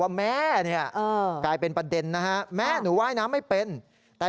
ใช่แม่หนูว่ายน้ำไม่เป็นแม่